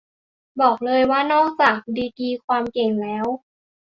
บอกเลยว่านอกจากดีกรีความเก่งแล้ว